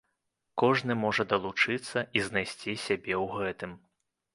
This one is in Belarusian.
Кожны можа далучыцца і знайсці сябе ў гэтым.